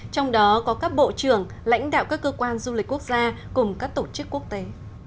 trong đó có các bộ trưởng lãnh đạo các cơ quan du lịch quốc gia cùng các tổ chức quốc tế